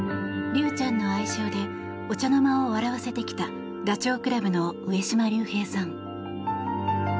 竜ちゃんの愛称でお茶の間を笑わせてきたダチョウ倶楽部の上島竜兵さん。